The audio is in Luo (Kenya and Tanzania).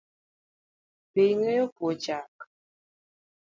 Be ing’eyo puo chak?